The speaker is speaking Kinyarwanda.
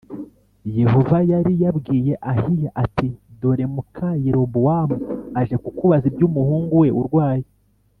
Yehova yari yabwiye Ahiya ati dore muka Yerobowamu aje kukubaza iby umuhungu we urwaye